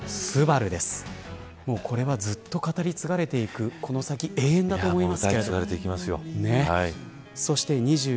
ずっと語り継がれていくこの先、永遠の曲だと思います。